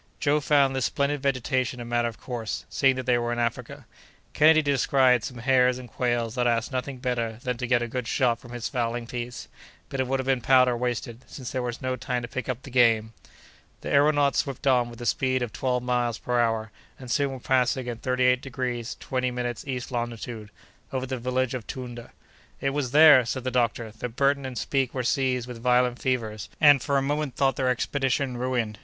Joe found this splendid vegetation a matter of course, seeing that they were in Africa. Kennedy descried some hares and quails that asked nothing better than to get a good shot from his fowling piece, but it would have been powder wasted, since there was no time to pick up the game. U and Ou signify country in the language of that region. The aëronauts swept on with the speed of twelve miles per hour, and soon were passing in thirty eight degrees twenty minutes east longitude, over the village of Tounda. "It was there," said the doctor, "that Burton and Speke were seized with violent fevers, and for a moment thought their expedition ruined.